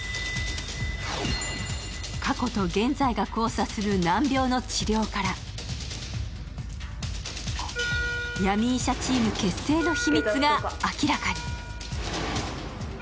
過去と現在が交差する難病の治療から闇医者チーム結成の秘密が明らかに。